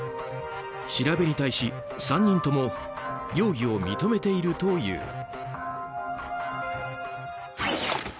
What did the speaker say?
調べに対し３人とも容疑を認めているという。